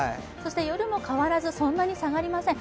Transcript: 夜も変わらずそんなに下がりません。